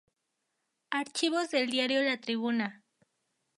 Archivos del Diario La Tribuna.